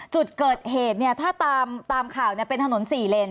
จุดเกิดเหตุเนี่ยถ้าตามข่าวเป็นถนน๔เลน